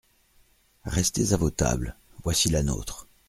Restez à vos tables ; voici la nôtre…